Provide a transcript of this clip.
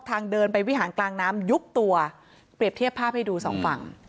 ทางเดินไปวิหารกลางน้ำยุบตัวเปรียบเทียบภาพให้ดูสองฝั่ง